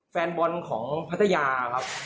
แฟนบอลของพัทยาครับ